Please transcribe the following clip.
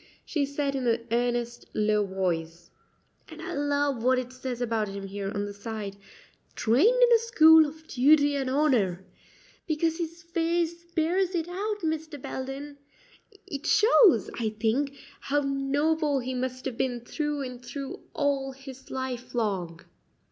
she said in an earnest, low voice; "and I love what it says about him here on the side 'Trained in a school of duty and honor' because his face bears it out, Mr. Belden. It shows, I think, how noble he must have been through and through all his life long."